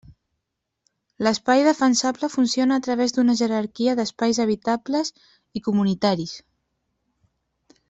L'espai defensable funciona a través d'una jerarquia d'espais habitables i comunitaris.